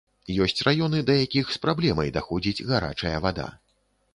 Ёсць раёны, да якіх з праблемай даходзіць гарачая вада.